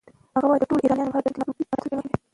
هغه وايي د ټولو ایرانیانو لپاره دموکراتیک راتلونکی مهم دی.